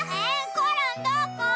コロンどこ？